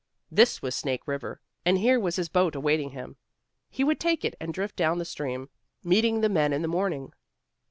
This was Snake River. And here was his boat awaiting him. He would take it and drift down the stream, meeting the men in the morning.